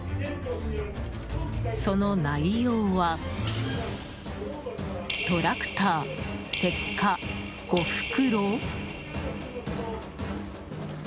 その内容は「トラクター石化５袋」？